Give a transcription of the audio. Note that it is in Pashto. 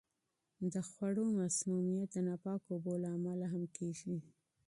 د خوړو مسمومیت د ناپاکو اوبو له امله هم کیږي.